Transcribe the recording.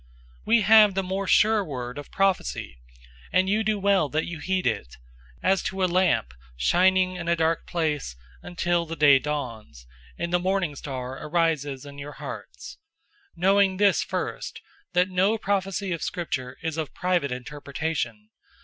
001:019 We have the more sure word of prophecy; and you do well that you heed it, as to a lamp shining in a dark place, until the day dawns, and the morning star arises in your hearts: 001:020 knowing this first, that no prophecy of Scripture is of private interpretation.